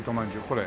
これ。